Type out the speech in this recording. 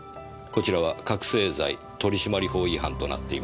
こちらは覚せい剤取締法違反となっていますね。